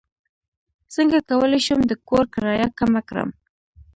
څنګه کولی شم د کور کرایه کمه کړم